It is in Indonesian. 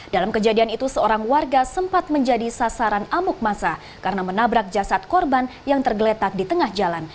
dalam kejadian itu seorang warga sempat menjadi sasaran amuk masa karena menabrak jasad korban yang tergeletak di tengah jalan